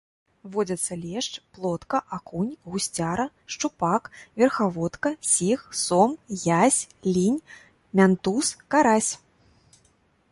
Водзяцца лешч, плотка, акунь, гусцяра, шчупак, верхаводка, сіг, сом, язь, лінь, мянтуз, карась.